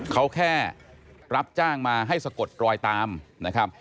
เขาแค่รับจ้างมาให้สะกดรอยตามนะครับ